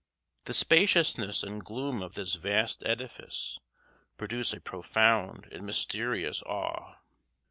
The spaciousness and gloom of this vast edifice produce a profound and mysterious awe.